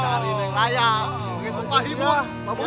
cha seri neng bayah sama mbah